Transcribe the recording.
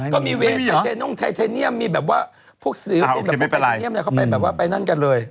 ก็มีเวทไทเทเนียมมีแบบว่าพวกแตกจะเข้าไปแบบว่าไปนั่นกันเลย